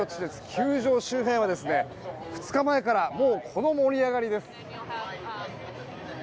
球場周辺は２日前からこの盛り上がりです。